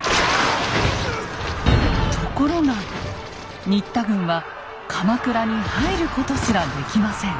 ところが新田軍は鎌倉に入ることすらできません。